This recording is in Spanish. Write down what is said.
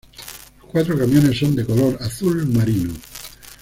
Los cuatro camiones son de color azul marino.